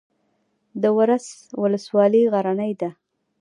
د ورس ولسوالۍ غرنۍ ده